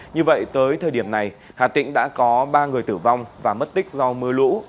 như vậy tới thời điểm này hà tĩnh đã có ba người tử vong và mất tích do mưa lũ